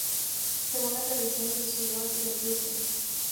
Según la tradición, se suicidó antes del juicio.